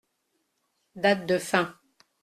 Date de fin.